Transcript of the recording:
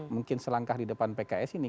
mungkin selangkah di depan pks ini